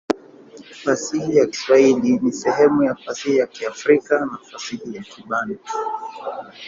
Fasihi ya Kiswahili ni sehemu ya fasihi ya Kiafrika na fasihi ya Kibantu.